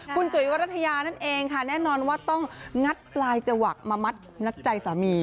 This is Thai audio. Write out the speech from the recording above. คุณจุ๋ยวรัฐยานั่นเองค่ะแน่นอนว่าต้องงัดปลายจวักมามัดใจสามี